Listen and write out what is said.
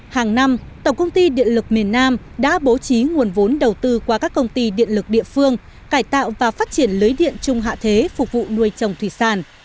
hàng năm tổng công ty điện lực miền nam đã bố trí nguồn vốn đầu tư qua các công ty điện lực địa phương cải tạo và phát triển lưới điện chung hạ thế phục vụ nuôi trồng thủy sản